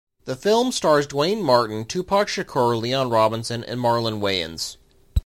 The film stars Duane Martin, Tupac Shakur, Leon Robinson and Marlon Wayans.